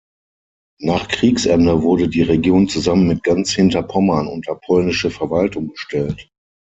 Nach Kriegsende wurde die Region zusammen mit ganz Hinterpommern unter polnische Verwaltung gestellt.